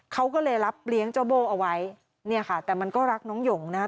เขาก็เลยรับเลี้ยงเจ้าโบเอาไว้แต่มันก็รักน้องหยงนะ